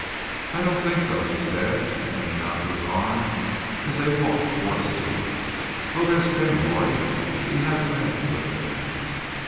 "I don't think so," she said, hanging on to his arm as they walked toward a seat. "Oh, there's Kinroy! He has the next with me."